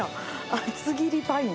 厚切りパイン。